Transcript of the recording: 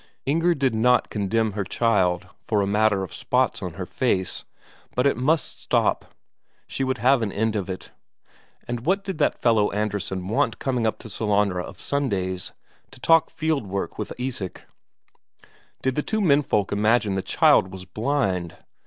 Inger did not condemn her child for a matter of spots 'on her face; but it must stop, she would have an end of it. And what did that fellow Andresen want coming up to Sellanraa of Sundays, to talk fieldwork with Isak? Did the two menfolk imagine the child was blind?